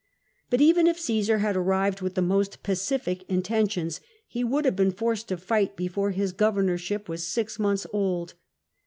But even if Caesar had arrived with the most pacific intentions, he would have been forced to fight before his governorship was six months old.